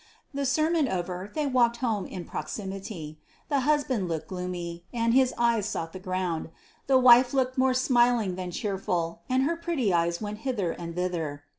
The sermon over, they walked home in proximity. The husband looked gloomy, and his eyes sought the ground. The wife looked more smiling than cheerful, and her pretty eyes went hither and thither.